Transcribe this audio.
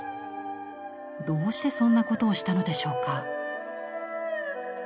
どうしてそんなことをしたのでしょうか？